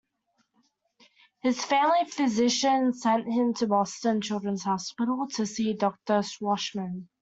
His family physician sent him to Boston Children's Hospital to see a Doctor Shwachman.